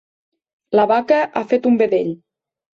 La vaca ha fet un vedell.